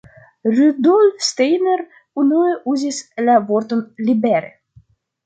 Rudolf Steiner unue uzis la vorton libere.